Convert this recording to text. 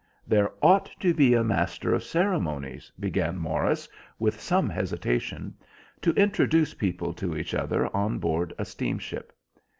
"There ought to be a master of ceremonies," began Morris with some hesitation, "to introduce people to each other on board a steamship.